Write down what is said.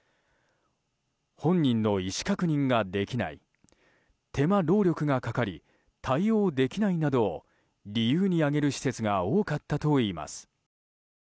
本人の意思確認ができない手間労力がかかり対応できないなどを理由に挙げる施設が多かったといいます。